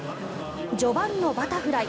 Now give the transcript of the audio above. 序盤のバタフライ。